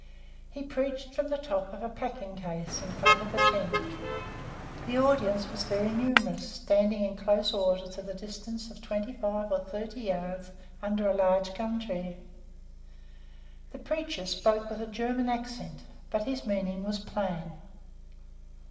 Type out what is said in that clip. He preached from the top of a packing case in front of the tent. The audience was very numerous, standing in close order to the distance of twenty five or thirty yards under a large gum tree. The preacher spoke with a German accent, but his meaning was plain.